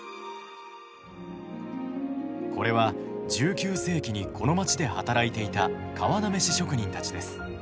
これは１９世紀にこの街で働いていた皮なめし職人たちです。